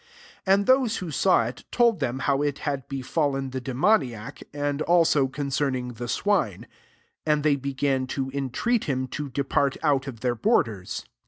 16 And those who saw it J told them how it had befallen the demoniac ; aQ4 also concerning the swine. 17 And they began to entreat him to depart out of their borders.